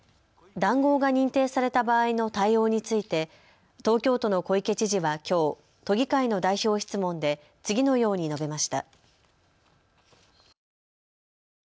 談合が認定された場合の対応について東京都の小池知事はきょう、都議会の代表質問で次のように述べました。